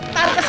taruh ke sini